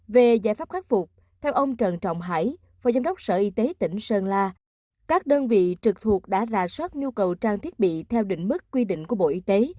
về giải pháp khắc phục theo ông trần trọng hải phó giám đốc sở y tế tỉnh sơn la các đơn vị trực thuộc đã rà soát nhu cầu trang thiết bị theo định mức quy định của bộ y tế